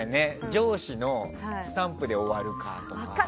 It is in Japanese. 上司のスタンプで終わるかとか。